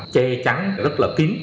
che trắng rất là kín